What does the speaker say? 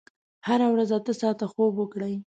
هره ورځ اته ساعته خوب وکړئ.